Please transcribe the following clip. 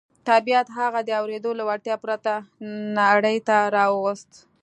طبيعت هغه د اورېدو له وړتيا پرته نړۍ ته راووست.